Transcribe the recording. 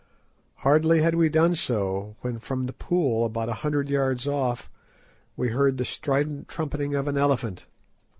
Hardly had we done so, when from the pool, about a hundred yards off, we heard the strident trumpeting of an elephant.